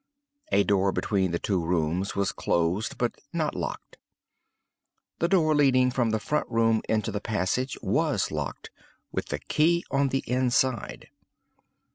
A door between the two rooms was closed, but not locked. The door leading from the front room into the passage was locked, with the key on the inside.